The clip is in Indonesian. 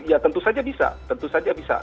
ya tentu saja bisa tentu saja bisa